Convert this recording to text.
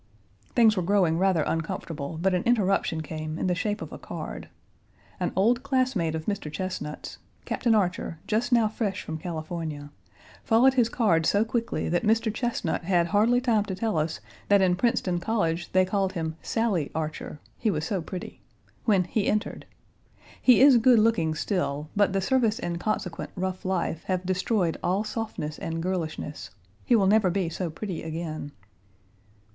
Things were growing rather uncomfortable, but an interruption came in the shape of a card. An old classmate of Mr. Chesnut's Captain Archer, just now fresh from California followed his card so quickly that Mr. Chesnut had hardly time to tell us that in Princeton College they called him "Sally." Archer he was so pretty when he entered. He is good looking still, but the service and consequent rough life have destroyed all softness and girlishness. He will never be so pretty again.